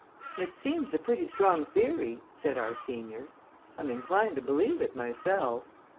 "It seems a pretty strong theory," said our senior. "I'm inclined to believe it myself."